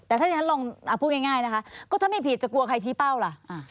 แต่ถ้าอย่างง่ายก็ถ้าไม่ผิดจะกลัวใครชี้เป้าล่ะ